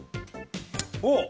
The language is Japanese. おっ！